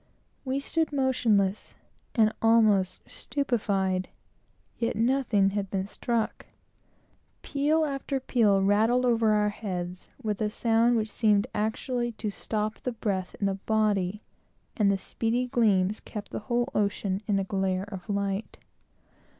We stood motionless, and almost stupefied; yet nothing had been struck. Peal after peal rattled over our heads, with a sound which seemed actually to stop the breath in the body, and the "speedy gleams" kept the whole ocean in a glare of light.